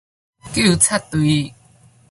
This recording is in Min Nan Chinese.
糾察隊